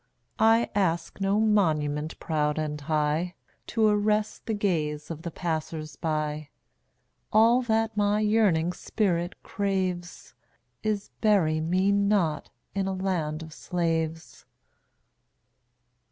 I ask no monument proud and high, To arrest the gaze of the passers by; All that my yearning spirit craves Is, Bury me not in a Land of Slaves.